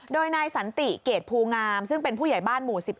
โดยนายสันติเกรดภูงามซึ่งเป็นผู้ใหญ่บ้านหมู่๑๑